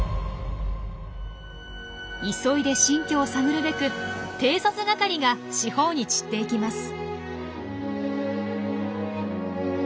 急いで新居を探るべく偵察係が四方に散っていきます。